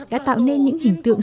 đã tạo nên những hình tượng